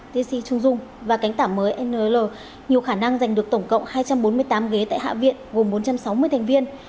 tis trung dung và cánh tả mới nl nhiều khả năng giành được tổng cộng hai trăm bốn mươi tám ghế tại hạ viện gồm bốn trăm sáu mươi thành viên